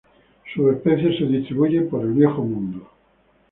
Sus especies se distribuyen por el Viejo Mundo.